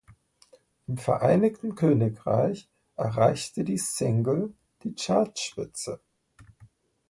Im Vereinigten Königreich erreichte die Single die Chartspitze.